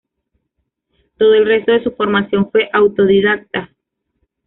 Todo el resto de su formación fue autodidacta.